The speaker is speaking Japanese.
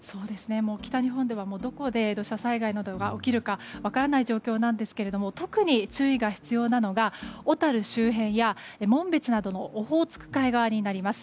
北日本ではどこで土砂災害などが起きるか分からない状況ですが特に注意が必要なのが小樽周辺や紋別などのオホーツク海側になります。